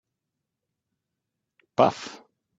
Paf!